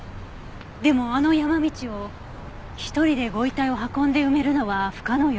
でもあの山道を１人でご遺体を運んで埋めるのは不可能よね。